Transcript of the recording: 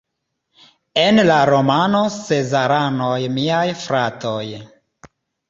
En la romano Sezaranoj miaj fratoj!